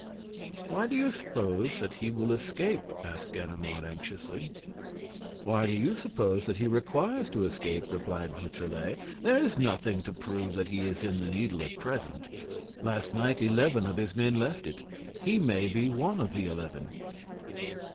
"Why do you suppose that he will escape?" asked Ganimard, anxiously. "Why do you suppose that he requires to escape?" replied Beautrelet. "There is nothing to prove that he is in the Needle at present. Last night, eleven of his men left it. He may be one of the eleven."